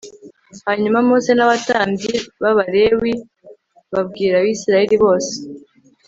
hanyuma mose n abatambyi b abalewi babwira abisirayeli bose